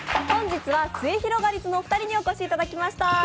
本日はすゑひろがりずのお二人にお越しいただきました。